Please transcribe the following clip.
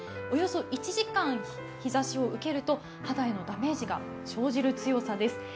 およそ１時間日ざしを受けると肌へのダメージが生じる強さです。